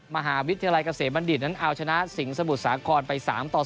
มหาวิทยาลัยกับเสมัณดินเอาชนะสิงสบุสาครไป๓๒